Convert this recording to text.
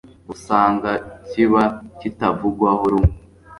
usanga kiba kitavugwaho rumwe